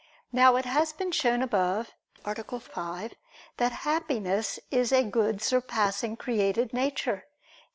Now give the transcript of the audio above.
Now it has been shown above (A. 5) that Happiness is a good surpassing created nature.